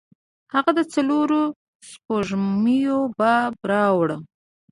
هغه د څلورو سپوږمیو باب راواړوه.